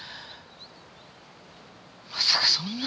まさかそんな。